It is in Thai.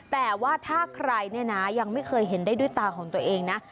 แต่ว่าถ้าใครเนี่ยนะยังไม่เคยเห็นได้ด้วยตาของตัวเองนะ